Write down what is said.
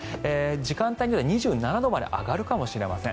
時間帯によっては２７度まで上がるかもしれません。